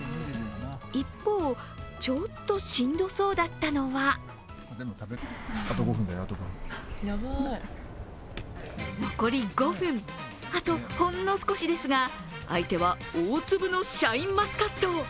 一方、ちょっとしんどそうだったのは残り５分、あとほんの少しですが、相手は大粒のシャインマスカット。